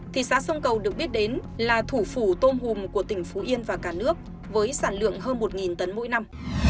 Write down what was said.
thị xã sông cầu được biết đến là thủ phủ tôm hùm của tỉnh phú yên và cả nước với sản lượng hơn một tấn mỗi năm